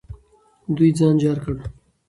دوی ځان جار کړ.